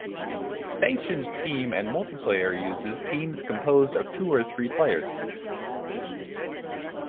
Sanctioned team and multiplayer uses teams composed of two or three players.